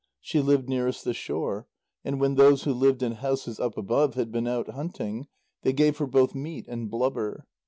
She lived nearest the shore, and when those who lived in houses up above had been out hunting, they gave her both meat and blubber.